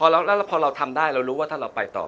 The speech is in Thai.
แล้วพอเราทำได้เรารู้ว่าถ้าเราไปต่อ